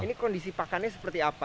ini kondisi pakannya seperti apa